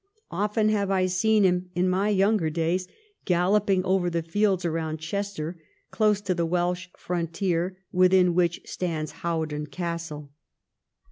Often have I seen him, in my younger days, galloping over the fields around Chester — close to the Welsh frontier, within which stands Hawarden Castle.